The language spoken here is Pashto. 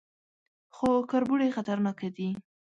_خو کربوړي خطرناکه دي.